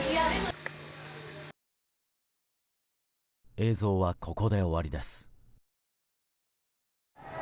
映像はここで終わりです。